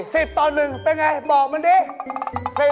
๑๐ต่อ๑เป็นไงบอกมันดิ